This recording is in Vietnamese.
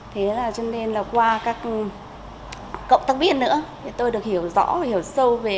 thế là qua các cộng tác viên nữa tôi được hiểu rõ và hiểu sâu về